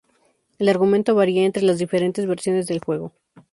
El argumento varia entre las diferentes versiones del juego.